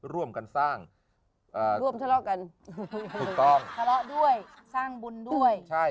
ร่วมกันสร้างร่วมทะเลาะกันถูกต้องทะเลาะด้วยสร้างบุญด้วยใช่